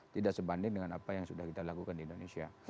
tidak sebanding dengan apa yang sudah kita lakukan di indonesia